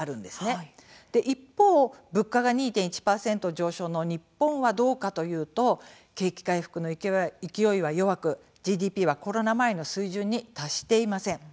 一方、物価が２．１％上昇の日本はどうかというと景気回復の勢いは弱くＧＤＰはコロナ前の水準に達していません。